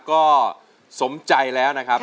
ก็สมใจแล้วนะครับ